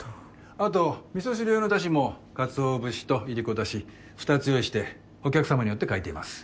あと味噌汁用のだしもかつお節といりこだし２つ用意してお客さまによって変えています。